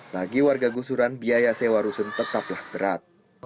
bagi warga gusuran biaya sewa rusun tetaplah berat